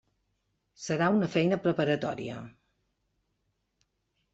Serà una feina preparatòria.